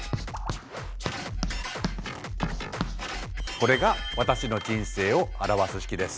これが私の人生を表す式です。